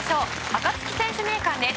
アカツキ選手名鑑です。